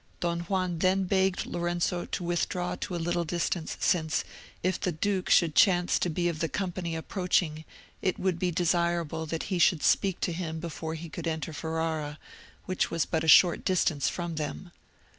Don Juan then begged Lorenzo to withdraw to a little distance, since, if the duke should chance to be of the company approaching, it would be desirable that he should speak to him before he could enter Ferrara, which was but a short distance from them.